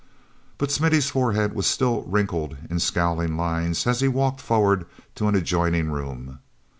But Smithy's forehead was still wrinkled in scowling lines as he walked forward to an adjoining room.